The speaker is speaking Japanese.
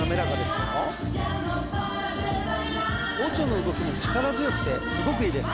よオチョの動きも力強くてすごくいいです